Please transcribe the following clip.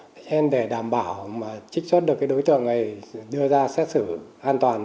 thế nên để đảm bảo trích xuất được đối tượng này đưa ra xét xử an toàn